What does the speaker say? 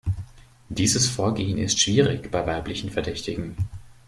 Dieses Vorgehen ist schwierig bei weiblichen Verdächtigen.